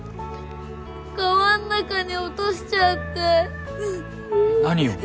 川ん中に落としちゃった何を？